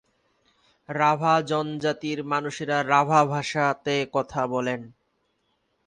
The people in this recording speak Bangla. রাভা জনজাতির মানুষেরা রাভা ভাষাতে কথা বলেন।